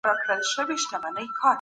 په وزارتونو کي باید د فساد ریښې وچي سي.